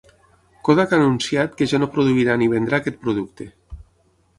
Kodak ha anunciat que ja no produirà ni vendrà aquest producte.